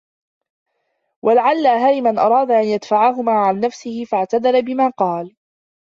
وَلَعَلَّ هَرِمًا أَرَادَ أَنْ يَدْفَعَهُمَا عَنْ نَفْسِهِ فَاعْتَذَرَ بِمَا قَالَ